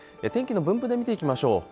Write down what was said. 天気の分布で見ていきましょう。